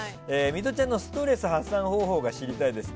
ミトちゃんのストレス発散方法が知りたいです。